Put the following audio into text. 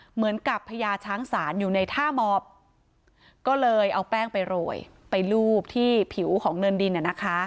เหมือนกับพญาช้างศาลอยู่ในท่าหมอบก็เลยเอาแป้งไปโรยไปลูบที่ผิวของเนินดิน